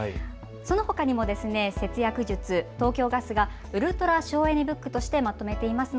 そのほかにも節約術、東京ガスがウルトラ省エネブックとしてまとめています。